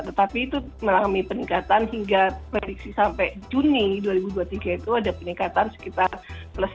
tetapi itu mengalami peningkatan hingga prediksi sampai juni dua ribu dua puluh tiga itu ada peningkatan sekitar plus satu